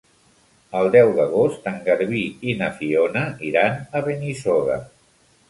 El deu d'agost en Garbí i na Fiona iran a Benissoda.